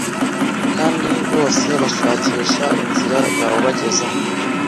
kandi bose bashakisha inzira yawubagezaho